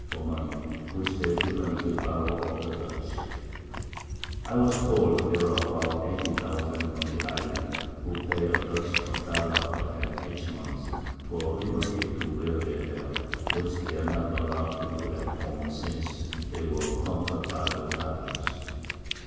_ for Money, which they frequently borrow of the Dutch. I was told, there are about 80000 on the Island, who pay the Dutch a Dollar a head, each Month, for Liberty to wear their Hair, which they are not allow'd to do at home, since they were conquer'd by the Tartars.